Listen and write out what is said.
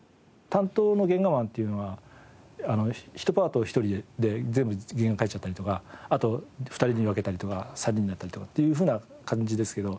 担当の原画マンっていうのは１パートを１人で全部原画描いちゃったりとかあと２人に分けたりとか３人になったりとかっていうふうな感じですけど。